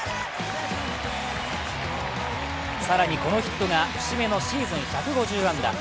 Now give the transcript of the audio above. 更にこのヒットが節目のシーズン１５０安打。